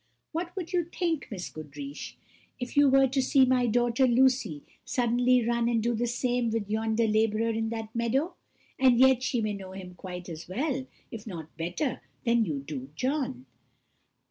What would you think, Miss Goodriche, if you were to see my daughter Lucy suddenly run and do the same by yonder labourer in that meadow? and yet she may know him quite as well, if not better, than you do John."